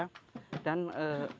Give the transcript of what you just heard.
karena dia adalah penyambung lidah raja